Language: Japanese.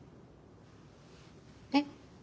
えっ。